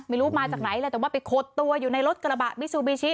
ไม่รู้มาจากไหนแหละแต่ว่าไปขดตัวอยู่ในรถกระบะมิซูบิชิ